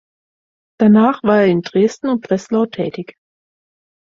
Danach war er in Dresden und Breslau tätig.